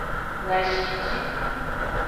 Doashi ji.